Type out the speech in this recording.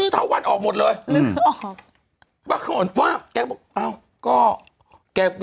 เถาวันออกหมดเลย